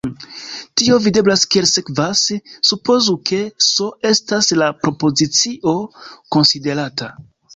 Tio videblas kiel sekvas: supozu ke "S" estas la propozicio konsiderata.